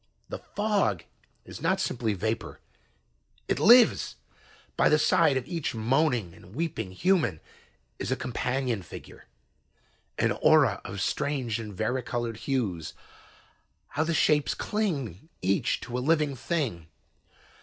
"The fog is not simply vapor it lives! By the side of each moaning and weeping human is a companion figure, an aura of strange and vari colored hues. How the shapes cling! Each to a living thing!